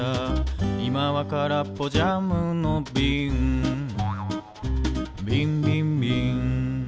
「いまはからっぽジャムのびん」「びんびんびん」